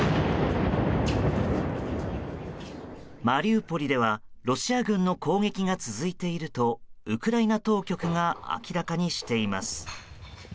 マリウポリではロシア軍の攻撃が続いているとウクライナ当局が明らかにしています。